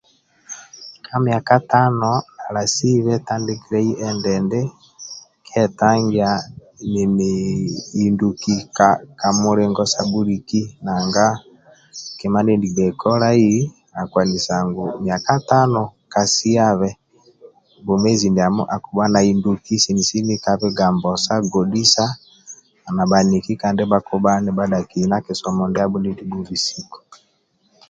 Ka myaka tano alasibhe tandikilyai endindi kye tangiya nini hinduki kamulinfo sa buliki nanga kima ndieni gbei kolai akuhanisa ngu myaka tano kasiyabhe bwomezi ndiamo akibha nahinduki sini ka bhigambo sa godhisa na baniki bakuba ni badaki kisomo ndiabo ndienikiba nini bubhisiku